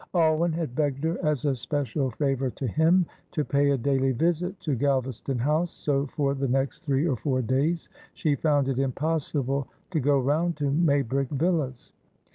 Alwyn had begged her, as a special favour to him, to pay a daily visit to Galvaston House, so for the next three or four days she found it impossible to go round to Maybrick Villas.